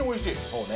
そうね。